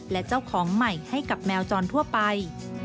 และเจ้าของใหม่ให้กับแมวจรทั่วไป